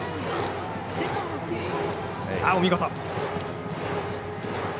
お見事。